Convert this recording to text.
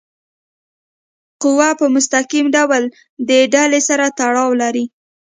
قوه په مستقیم ډول د ډلي سره تړاو لري.